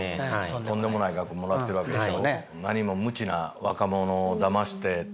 とんでもない額もらってるわけでしょ。